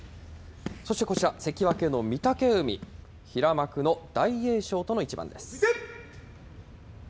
そしてこちら、関脇の御嶽海、平幕の大栄翔との一番です。